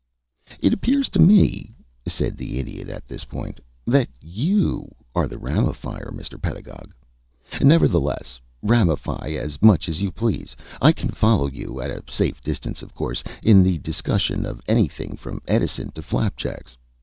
"It appears to me," said the Idiot at this point, "that you are the ramifier, Mr. Pedagog. Nevertheless, ramify as much as you please. I can follow you at a safe distance, of course in the discussion of anything, from Edison to flapjacks.